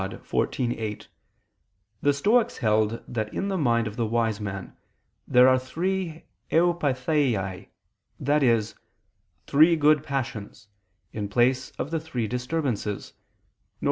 Dei xiv, 8), the Stoics held that in the mind of the wise man there are three eupatheiai, i.e. "three good passions," in place of the three disturbances: viz.